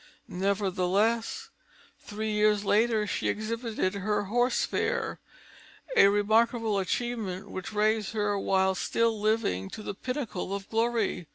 Nevertheless, three years later she exhibited her Horse Fair, a remarkable achievement which raised her while still living to the pinnacle of glory.